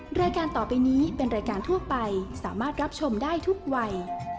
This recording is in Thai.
รายการต่อไปนี้เป็นรายการทั่วไปสามารถรับชมได้ทุกวัย